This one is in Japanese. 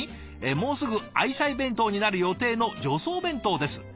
「もうすぐ愛妻弁当になる予定の助走弁当です。